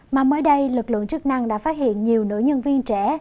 mà mới đây lực lượng chức năng đã phát hiện nhiều nữ nhân viên trẻ